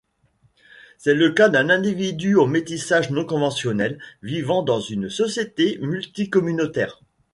C'est le cas d'un individu au métissage non conventionnel vivant dans une société multicommunautaire.